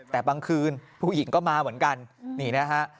แต่บางคืนผู้หญิงก็มาเหมือนกันนี่นะฮะ